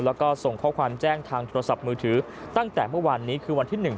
แล้วก็ส่งข้อความแจ้งทางโทรศัพท์มือถือตั้งแต่เมื่อวานนี้คือวันที่หนึ่ง